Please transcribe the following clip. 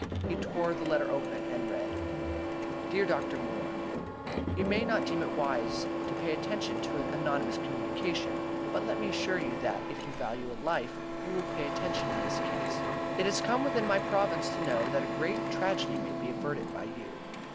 He tore the letter open, and read: "DEAR DR. MOORE: You may not deem it wise to pay attention to an anonymous communication, but let me assure you that, if you value a life, you will pay attention in this case. "It has come within my province to know that a great tragedy may be averted by you.